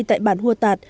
tại bản hòa tạt